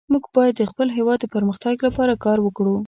موږ باید د خپل هیواد د پرمختګ لپاره کار وکړو